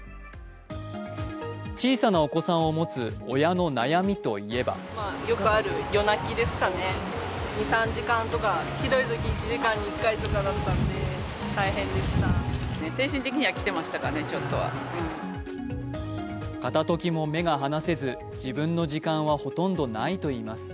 小さなお子さんを持つ親の悩みといえば片時も目が離せず、自分の時間はほとんどないといいます。